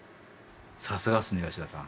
さすがっすね吉田さん。